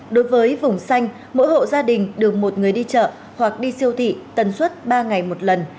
đối với vùng xanh mỗi hộ gia đình được một người đi chợ hoặc đi siêu thị tần suất ba ngày một lần